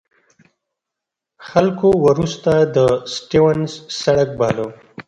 خلکو وروسته د سټیونز سړک باله.